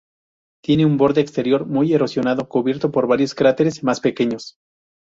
Tiene un borde exterior muy erosionado cubierto por varios cráteres más pequeños.